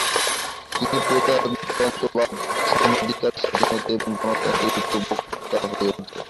তিনি প্রজাতন্ত্রবাদ, সম অধিকার, স্বাধীনতা এবং গণতন্ত্রের প্রবক্তা হয়ে ওঠে।